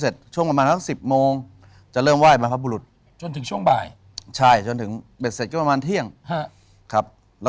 ตอนเช้ากันคือช่วงประมาณห้าทุ่ม